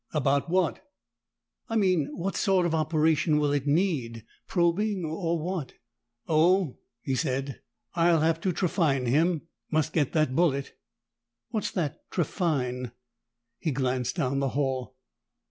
"About what?" "I mean what sort of operation will it need? Probing or what?" "Oh," he said. "I'll have to trephine him. Must get that bullet." "What's that trephine?" He glanced down the hall.